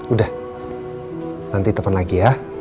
udah nanti telepon lagi ya